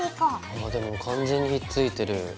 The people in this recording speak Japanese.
ああでも完全にひっついてる。